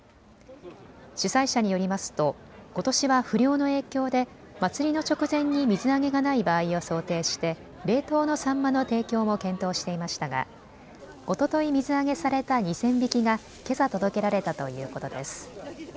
主催者によりますとことしは不漁の影響で祭りの直前に水揚げがない場合を想定して冷凍のサンマの提供も検討していましたがおととい、水揚げされた２０００匹がけさ届けられたということです。